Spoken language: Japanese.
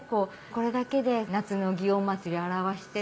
これだけで夏の園祭を表して。